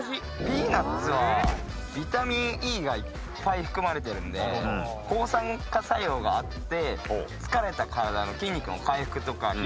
ピーナッツはビタミンＥがいっぱい含まれてるんで抗酸化作用があって疲れた体の筋肉の回復とか疲労回復